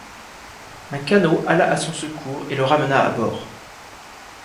Un canot alla à son secours et le ramena à bord.